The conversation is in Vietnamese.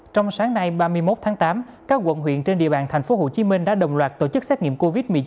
trong sáng nay ba mươi một tháng tám các quận huyện trên địa bàn tp hcm đã đồng loạt tổ chức xét nghiệm covid một mươi chín